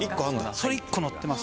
それ１個乗ってます。